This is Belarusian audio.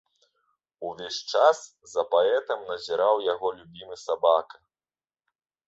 Увесь час за паэтам назіраў яго любімы сабака.